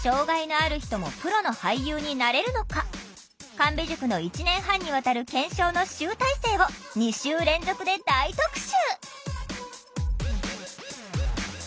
神戸塾の１年半にわたる検証の集大成を２週連続で大特集！